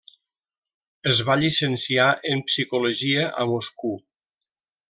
Es va llicenciar en Psicologia a Moscou.